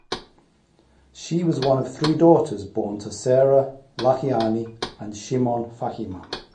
She was one of three daughters born to Sarah Lahiani and Shimon Fahima.